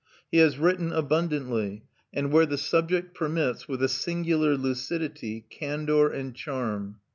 He has written abundantly and, where the subject permits, with a singular lucidity, candour, and charm.